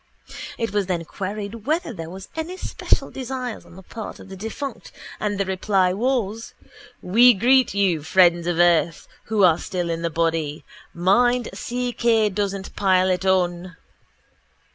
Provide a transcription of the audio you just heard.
It was then queried whether there were any special desires on the part of the defunct and the reply was: _We greet you, friends of earth, who are still in the body. Mind C. K. doesn't pile it on.